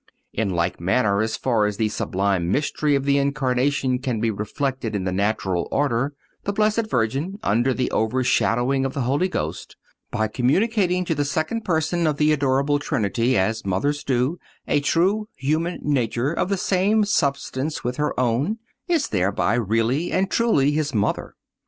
In like manner, as far as the sublime mystery of the Incarnation can be reflected in the natural order, the Blessed Virgin, under the overshadowing of the Holy Ghost, by communicating to the Second Person of the Adorable Trinity, as mothers do, a true human nature of the same substance with her own, is thereby really and truly His Mother.